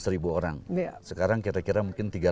seribu orang sekarang kira kira mungkin